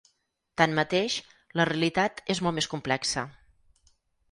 Tanmateix, la realitat és molt més complexa.